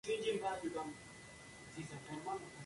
Cualquier caso de maltrato animal era reportado a los magistrados.